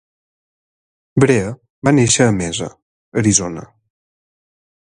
Brea va néixer a Mesa, Arizona.